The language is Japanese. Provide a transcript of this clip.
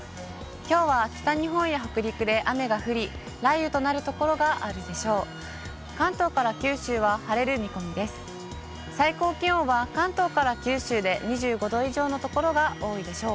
きょうは北日本や北陸で雨が降り、雷雨となる所があるでしょう。